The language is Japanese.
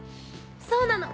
そうなの！